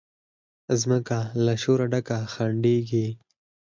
مځکه له شوره ډکه خندیږي